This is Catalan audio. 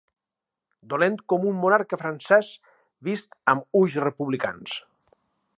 Dolent com un monarca francès vist amb ulls republicans.